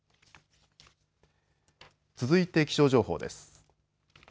続いて気象情報です。